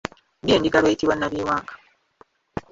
Ddi endiga lw’eyitibwa Nnabyewanga?